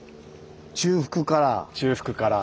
中腹から。